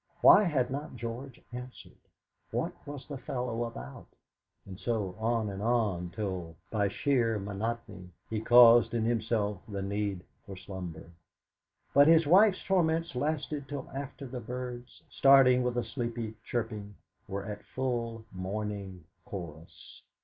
Why had not George answered? What was the fellow about? And so on and so on, till, by sheer monotony, he caused in himself the need for slumber. But his wife's torments lasted till after the birds, starting with a sleepy cheeping, were at full morning chorus.